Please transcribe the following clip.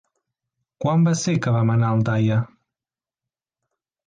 Quan va ser que vam anar a Aldaia?